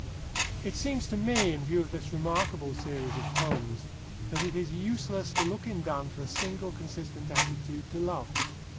It seems to me, in view of this remarkable series of poems, that it is useless to look in Donne for a single consistent attitude to love.